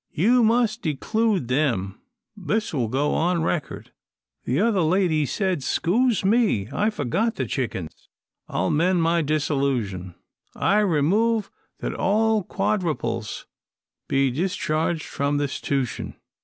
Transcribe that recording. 'You must declude them. This will go on record.' The other lady said, ''Scuse me, I forgot the chickings. I'll mend my dissolution. I remove that all quadruples be decharged from this 'stution.'